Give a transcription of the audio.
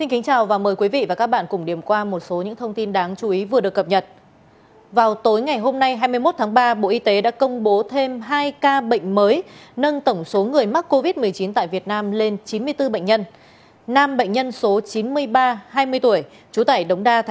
hãy đăng ký kênh để ủng hộ kênh của chúng mình nhé